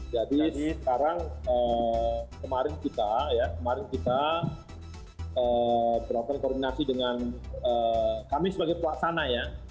jadi sekarang kemarin kita beraktan koordinasi dengan kami sebagai pelaksana ya